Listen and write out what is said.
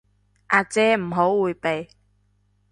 阿姐唔好迴避